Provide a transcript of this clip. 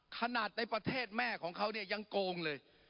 ขนาดในประเทศแม่ของเขาเนี่ยยังโกงเลย